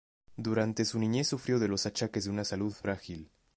Durante su niñez sufrió de los achaques de una salud frágil.